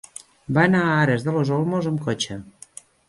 Va anar a Aras de los Olmos amb cotxe.